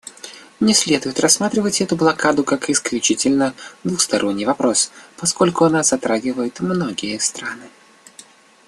Не следует рассматривать эту блокаду как исключительно двусторонний вопрос, поскольку она затрагивает многие страны.